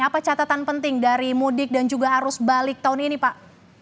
apa catatan penting dari mudik dan juga arus balik tahun ini pak